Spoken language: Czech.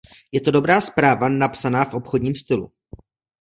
Je to dobrá zpráva napsaná v obchodním stylu.